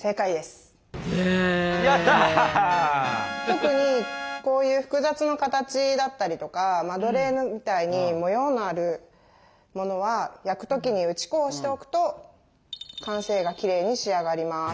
特にこういう複雑な形だったりとかマドレーヌみたいに模様のあるものは焼く時に打ち粉をしておくと完成がきれいに仕上がります。